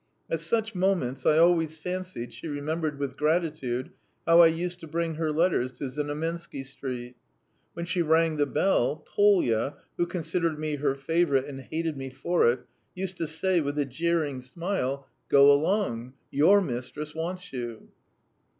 At such moments I always fancied she remembered with gratitude how I used to bring her letters to Znamensky Street. When she rang the bell, Polya, who considered me her favourite and hated me for it, used to say with a jeering smile: "Go along, your mistress wants you."